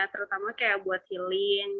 terutama kayak buat healing